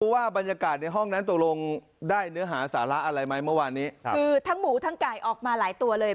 ว่าบรรยากาศในห้องนั้นตกลงได้เนื้อหาสาระอะไรไหมเมื่อวานนี้ครับคือทั้งหมูทั้งไก่ออกมาหลายตัวเลย